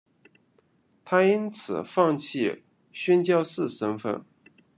她因此放弃宣教士身分。